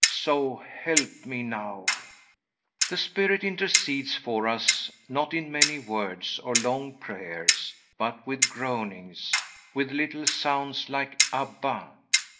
So help me now." The Spirit intercedes for us not in many words or long prayers, but with groanings, with little sounds like "Abba."